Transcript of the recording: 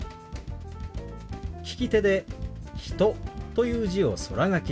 利き手で「人」という字を空書きします。